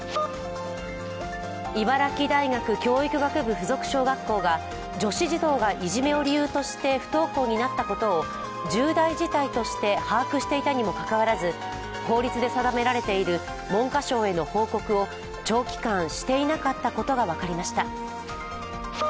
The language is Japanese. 茨城大学教育学部附属小学校が女子児童がいじめを理由として不登校になったことを重大事態として把握していたにもかかわらず法律で定められている文科省への報告を長期間していなかったことが分かりました。